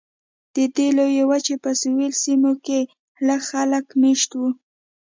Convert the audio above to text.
د دې لویې وچې په سویلي سیمو کې لږ خلک مېشت وو.